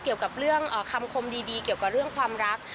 เกี่ยวกับเรื่องคำคมดีเกี่ยวกับเรื่องความรัก